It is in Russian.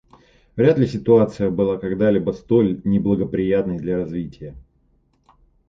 Вряд ли ситуация была когда-либо столь неблагоприятной для развития.